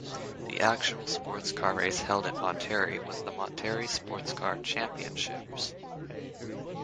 The actual sports car race held at Monterey was the Monterey Sports Car Championships.